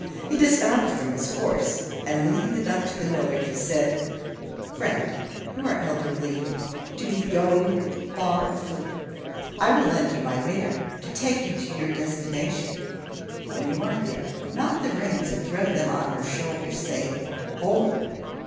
He dismounted from his horse, and leading it up to the Miller, he said: "Friend, you are elderly to be going far afoot. I will lend you my mare to take you to your destination. When you are there, knot the reins and throw them on her shoulder, saying, 'Home!'